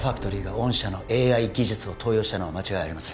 御社の ＡＩ 技術を盗用したのは間違いありません